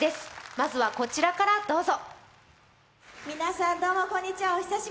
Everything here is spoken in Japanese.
まずはこちらからどうぞ。